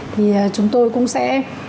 thì chúng tôi cũng sẽ